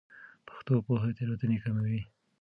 پښتو پوهه تېروتنې کموي.